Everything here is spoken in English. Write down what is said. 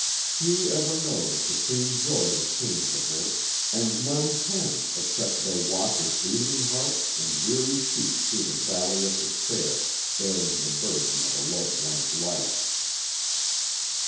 Few ever know the supreme joy that came to her and none can except they walk with bleeding hearts and weary feet through the valley of despair, bearing the burden of a loved one's life.